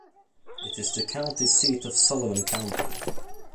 It is the county seat of Sullivan County.